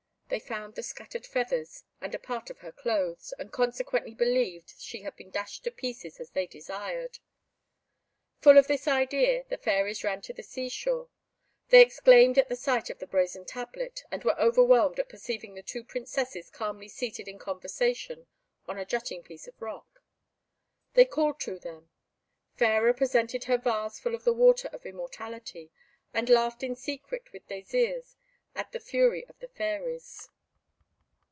They found the scattered feathers, and a part of her clothes, and consequently believed she had been dashed to pieces, as they desired. Full of this idea, the fairies ran to the sea shore; they exclaimed at the sight of the brazen tablet, and were overwhelmed at perceiving the two Princesses calmly seated in conversation on a jutting piece of rock. They called to them. Fairer presented her vase full of the water of immortality, and laughed in secret with Désirs at the fury of the fairies.